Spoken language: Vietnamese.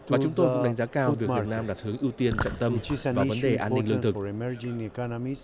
và chúng tôi cũng đánh giá cao việc việt nam đặt hướng ưu tiên trọng tâm vào vấn đề an ninh lương thực